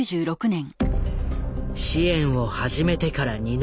支援を始めてから２年後。